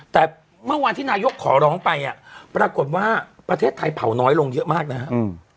แต่เมื่อวานที่นายกขอร้องไปอ่ะปรากฏว่าประเทศไทยเผาน้อยลงเยอะมากนะครับ